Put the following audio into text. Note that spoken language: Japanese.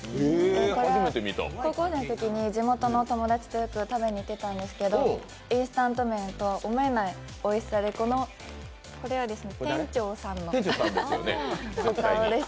これは高校生のときに地元の友達とよく食べに行ってたんですけどインスタント麺とは思えないおいしさで、これは店長さんの顔です。